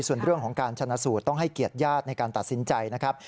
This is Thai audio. ส่วนเรื่องของการชนะสูตรต้องให้เกียรติญาติในการตัดสินใจนะครับ